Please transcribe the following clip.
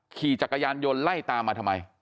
ขี่จักรยานยนต์ไล่ตามมาทำไม